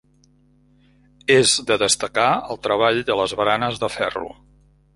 És de destacar el treball de les baranes de ferro.